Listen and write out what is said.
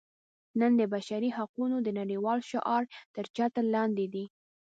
نن د بشري حقونو د نړیوال شعار تر چتر لاندې دي.